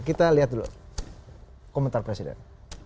kita lihat dulu komentar presiden